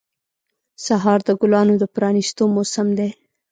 سهار د ګلانو د پرانیستو موسم دی.